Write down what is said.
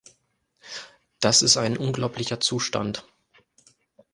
Das ist ein unglaublicher Zustand!